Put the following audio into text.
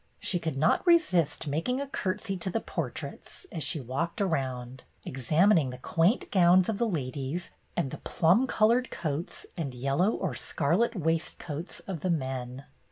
She could not resist making a courtesy to the portraits, as she walked around, examining the quaint gowns of the ladies and the plum colored coats and yellow or scarlet waistcoats of the men.